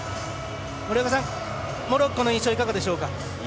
森岡さん、モロッコの印象はいかがでしょうか？